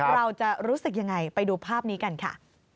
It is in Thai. เราจะรู้สึกยังไงไปดูภาพนี้กันค่ะ